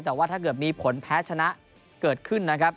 แต่ว่าถ้าเกิดมีผลแพ้ชนะเกิดขึ้นนะครับ